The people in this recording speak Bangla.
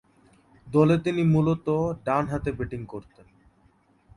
দলে তিনি মূলতঃ ডানহাতে ব্যাটিং করতেন।